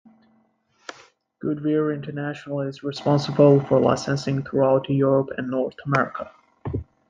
GoodWeave International is responsible for licensing throughout Europe and North America.